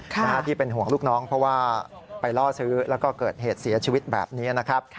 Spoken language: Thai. ที่เป็นห่วงลูกน้องเพราะว่าไปล่อซื้อแล้วก็เกิดเหตุเสียชีวิตแบบนี้นะครับ